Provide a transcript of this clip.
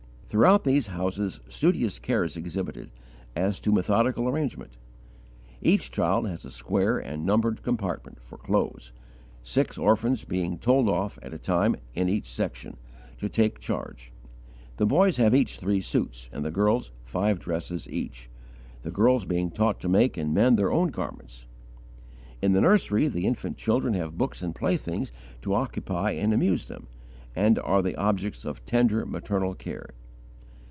Throughout these houses studious care is exhibited, as to methodical arrangement. Each child has a square and numbered compartment for clothes, six orphans being told off, at a time, in each section, to take charge. The boys have each three suits, and the girls, five dresses each, the girls being taught to make and mend their own garments. In the nursery, the infant children have books and playthings to occupy and amuse them, and are the objects of tender maternal care.